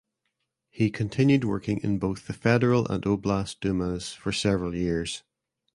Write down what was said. He continued working in both the federal and oblast dumas for several years.